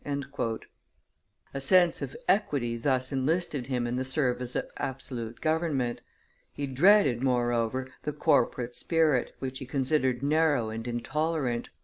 A sense of equity thus enlisted him in the service of absolute government. He dreaded, moreover, the corporate spirit, which he considered narrow and intolerant.